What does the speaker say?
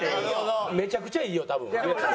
めちゃくちゃいいよ多分。